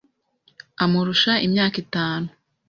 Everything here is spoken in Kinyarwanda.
Amurusha imyaka itanu.